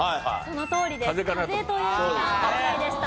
そのとおりです。